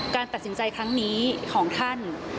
การตัดสินใจครั้งนี้ของท่าน